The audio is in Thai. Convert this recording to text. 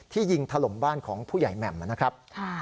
ยิงถล่มบ้านของผู้ใหญ่แหม่มนะครับ